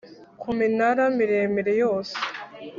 ku minara miremire yose